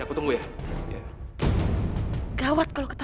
aku cuma pengen tahu aja